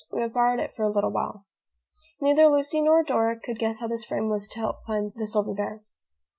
We have borrowed it for a little while." Neither Lucy nor Dora could guess how this frame was to help find the silver bear.